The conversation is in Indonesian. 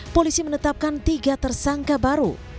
polisi menetapkan tiga tersangka baru